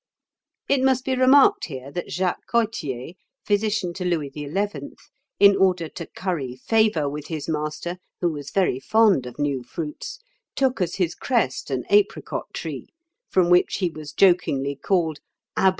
It must be remarked here that Jacques Coythier, physician to Louis XI., in order to curry favour with his master, who was very fond of new fruits, took as his crest an apricot tree, from which he was jokingly called Abri Coythier.